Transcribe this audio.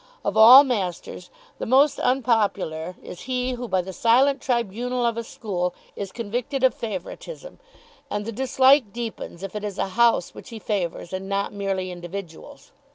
Of all masters, the most unpopular is he who by the silent tribunal of a school is convicted of favouritism. And the dislike deepens if it is a house which he favours and not merely individuals.